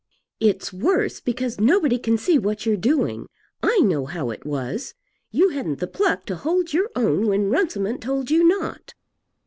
"It's worse, because nobody can see what you're doing. I know how it was. You hadn't the pluck to hold to your own when Runciman told you not."